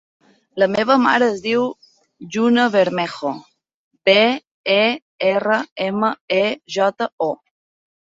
La meva mare es diu Juna Bermejo: be, e, erra, ema, e, jota, o.